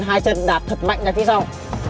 hai chân đạp thật mạnh ra phía sau